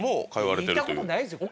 行ったことないですよ